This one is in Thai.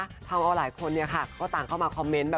พวกเราหลายคนนี่ค่ะก็ต่างเข้ามาคอมเมนต์